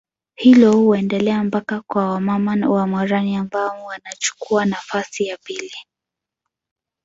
Hilo huendelea mpaka kwa mama wa morani ambao wanachukuwa nafasi ya pili